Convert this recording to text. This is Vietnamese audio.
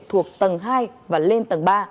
thuộc tầng hai và lên tầng ba